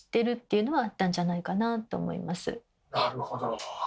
なるほど。